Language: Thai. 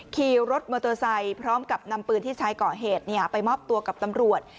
ขี่รถมอเตอร์ไซค์พร้อมกับนำปืนที่ใช้ก่อเหตุไปมอบตัวกับตำรวจ